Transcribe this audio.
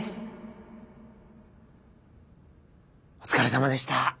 お疲れさまでした。